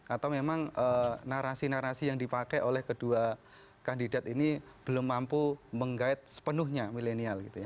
atau memang narasi narasi yang dipakai oleh kedua kandidat ini belum mampu menggait sepenuhnya milenial gitu ya